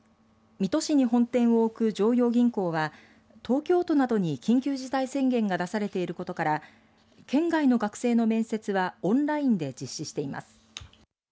水戸市に本店を置く常陽銀行は東京都などに緊急事態宣言が出されていることから県外の学生の面接はオンラインで実施しています。